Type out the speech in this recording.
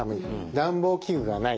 暖房器具がない。